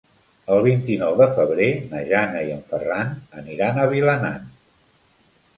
El vint-i-nou de febrer na Jana i en Ferran aniran a Vilanant.